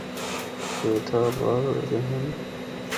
کہ اے اِتّھا آباد ہوئے دے ہن۔